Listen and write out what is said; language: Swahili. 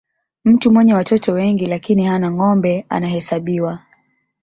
mtu mwenye watoto wengi lakini hana ngombe anahesabiwa